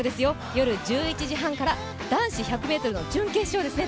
夜１１時半から男子１００ｍの準決勝ですね。